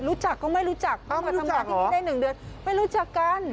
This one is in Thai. รู้จักก็ไม่รู้จักเพิ่งมาทำงานที่นี่ได้๑เดือนไม่รู้จักกัน